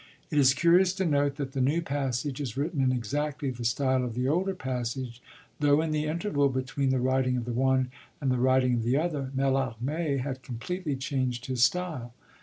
It is curious to note that the new passage is written in exactly the style of the older passage, though in the interval between the writing of the one and the writing of the other Mallarmé had completely changed his style.